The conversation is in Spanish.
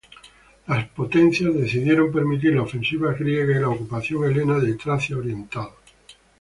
Las potencias decidieron permitir la ofensiva griega y la ocupación helena de Tracia oriental.